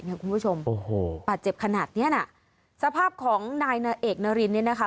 คุณผู้ชมโอ้โหบาดเจ็บขนาดเนี้ยน่ะสภาพของนายนาเอกนารินเนี่ยนะคะ